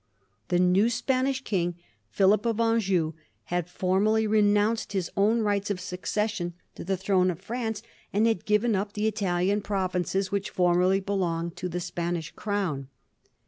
The new Spanish king, Philip of Anjou, had formally renounced his own rights of succession to the throne of France, and had given up the Italian provinces which formerly belonged to the Spanish Crown.